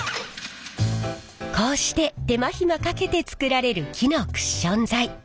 こうして手間ひまかけて作られる木のクッション材。